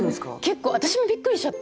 結構私もびっくりしちゃって。